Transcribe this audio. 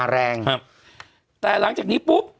แต่หลังจากนี้ปุ๊บ